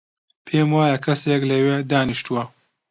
پێم وایە کەسێک لەوێ دانیشتووە.